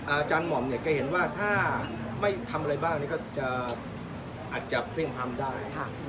อาจารย์หม่อมเนี่ยก็เห็นว่าถ้าไม่ทำอะไรบ้างก็อาจจะเครื่องความได้